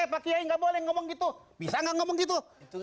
pak kek maruf tidak boleh ngomong begitu